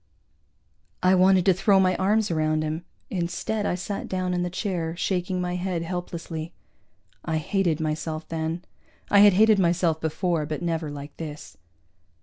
I wanted to throw my arms around him; instead I sat down in the chair, shaking my head helplessly. I hated myself then. I had hated myself before, but never like this.